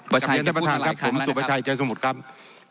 ประเทศประธานครับผมสุภาชัยเจสมุทรครับ